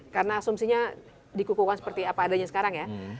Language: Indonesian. karena asumsinya dikukuhkan seperti apa adanya sekarang ya